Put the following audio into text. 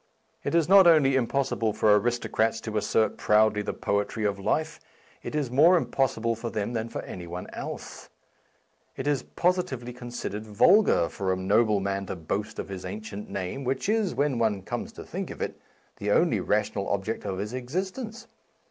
It is not only impossible for aristocrats to assert proudly the poetry of life ; it is more impossible for them than for any one else. It is positively consid ered vulgar for a nobleman to boast of his ancient name, which is, when one comes to think of it, the only rational object of his existence.